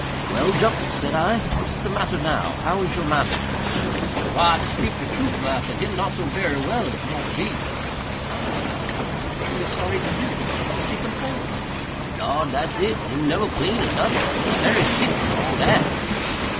"Well, Jup," said I, "what is the matter now?—how is your master?" "Why, to speak de troof, massa, him not so berry well as mought be." "Not well! I am truly sorry to hear it. What does he complain of?" "Dar! dat's it!—him neber 'plain of notin'—but him berry sick for all dat."